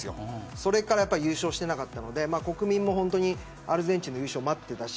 それから優勝していなかったので国民もアルゼンチンの優勝を待っていたし